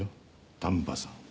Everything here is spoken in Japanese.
丹波さん。